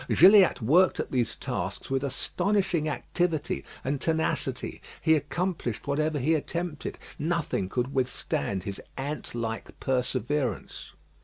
Gilliatt worked at these tasks with astonishing activity and tenacity. He accomplished whatever he attempted nothing could withstand his ant like perseverance.